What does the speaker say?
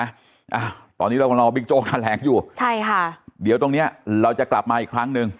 อ่าตอนนี้เราก็รอบิ๊กโจ๊กแถลงอยู่ใช่ค่ะเดี๋ยวตรงเนี้ยเราจะกลับมาอีกครั้งหนึ่ง